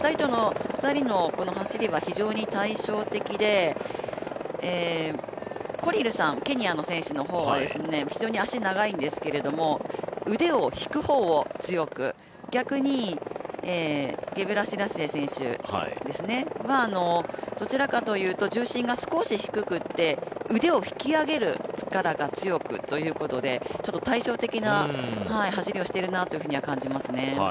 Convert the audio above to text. ２人の走りは非常に対照的でコリルさん、ケニアの選手の方は、非常に足が長いんですけど腕を引く方を強く逆にゲブレシラシエ選手はどちらかというと重心が少し低くて腕を引き上げる力が強いということで、対照的な走りをしているなというふうには感じますね。